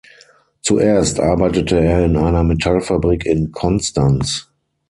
Zuerst arbeitete er in einer Metallfabrik in Konstanz.